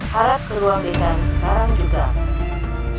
hanya aku panggilnya pantai